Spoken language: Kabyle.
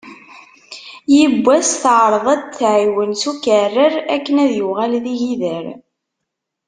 Yiwwas teεreḍ ad t-tεiwen s ukerrer akken ad yuɣal d igider.